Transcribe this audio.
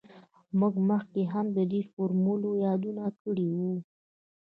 موږ مخکې هم د دې فورمول یادونه کړې وه